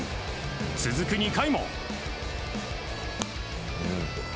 続く２回も。